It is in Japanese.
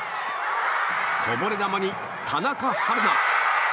こぼれ球に、田中晴菜。